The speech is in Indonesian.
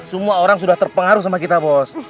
semua orang sudah terpengaruh sama kita bos